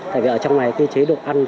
tại vì ở trong này cái chế độ ăn